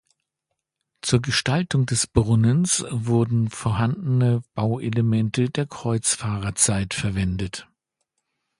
Zur Gestaltung des Brunnens wurden vorhandene Bauelemente der Kreuzfahrerzeit verwendet.